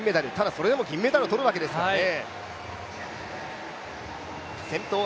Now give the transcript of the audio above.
それでも銀メダルを取るわけですからね。